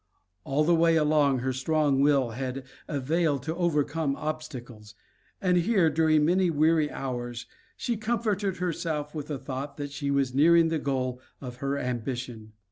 All the way along, her strong will had availed to overcome obstacles, and here, during many weary hours, she comforted herself with the thought that she was nearing the goal of her ambition.